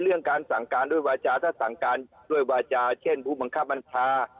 เรื่องการสั่งการด้วยวาจาถ้าสั่งการด้วยวาจาเช่นผู้บังคับบัญชา